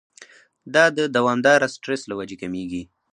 دا د دوامداره سټرېس له وجې کميږي